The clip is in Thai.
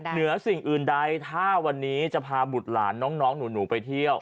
เหนือสิ่งอื่นใดถ้าวันนี้จะพาบุตรหลานน้องหนูไปเที่ยว